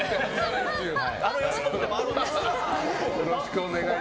あの吉本でもあるんです。